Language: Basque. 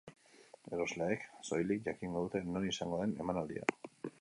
Erosleek soilik jakingo dute non izango den emanaldia.